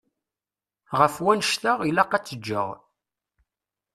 Ɣef wannect-a ilaq ad tt-ǧǧeɣ.